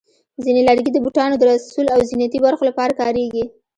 ځینې لرګي د بوټانو د سول او زینتي برخو لپاره کارېږي.